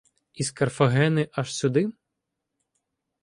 Із Карфагени аж сюди?